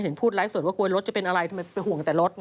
พูดไลฟ์สดว่ากลัวรถจะเป็นอะไรทำไมไปห่วงแต่รถ